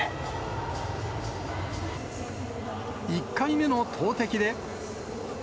１回目の投てきで。